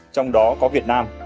trong đó có việt nam